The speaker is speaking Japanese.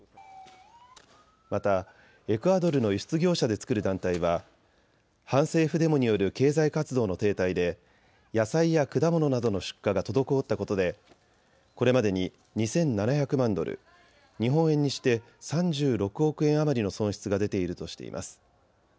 またエクアドルの輸出業者で作る団体は反政府デモによる経済活動の停滞で野菜や果物などの出荷が滞ったことでこれまでに２７００万ドル、日本円にして３６億円余りの損失が出ているとしています。